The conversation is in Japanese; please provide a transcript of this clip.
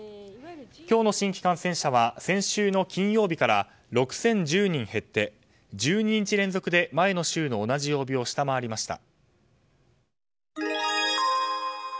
今日の新規感染者は先週の金曜日から６０１０人減って１２日連続で前の週の同じ曜日を下回りました。